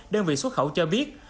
đơn vị xuất khẩu cho biết